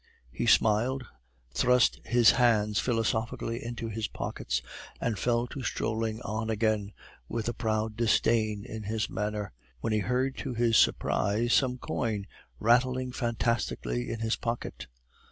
He smiled, thrust his hands philosophically into his pockets, and fell to strolling on again with a proud disdain in his manner, when he heard to his surprise some coin rattling fantastically in his pocket.